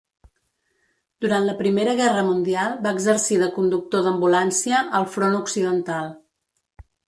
Durant la Primera Guerra Mundial, va exercir de conductor d'ambulància al front occidental.